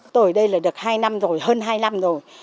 tôi ở đây là được hai năm rồi hơn hai năm rồi